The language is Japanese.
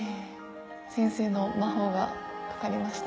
先生の魔法がかかりました。